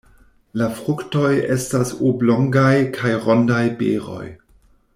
La fruktoj estas oblongaj kaj rondaj beroj.